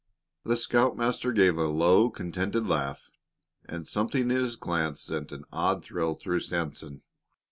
The scoutmaster gave a low, contented laugh, and something in his glance sent an odd thrill through Sanson.